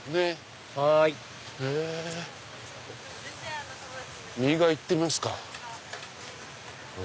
はい右側行ってみますか。